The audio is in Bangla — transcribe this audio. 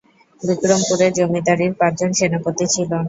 বিক্রমপুরের জমিদারীর পাঁচজন সেনাপতি ছিল।